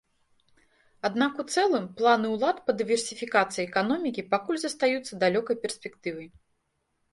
Аднак у цэлым планы ўлад па дыверсіфікацыі эканомікі пакуль застаюцца далёкай перспектывай.